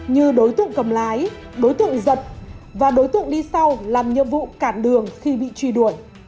như đối tượng cầm lái đối tượng giật và đối tượng đi sau làm nhiệm vụ cản đường khi bị truy đuổi